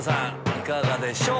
いかがでしょう。